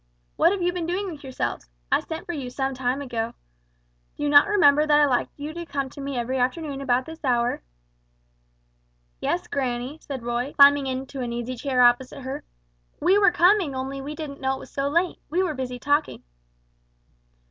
"What have you been doing with yourselves? I sent for you some time ago. Do you not remember that I like you to come to me every afternoon about this hour?" "Yes, granny," said Roy, climbing into an easy chair opposite her; "we were coming only we didn't know it was so late: we were busy talking."